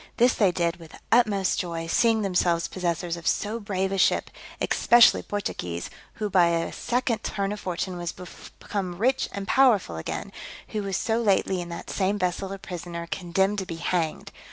This they did with the utmost joy, seeing themselves possessors of so brave a ship; especially Portugues, who by a second turn of fortune was become rich and powerful again, who was so lately in that same vessel a prisoner, condemned to be hanged.